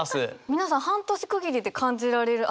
皆さん半年区切りで感じられる？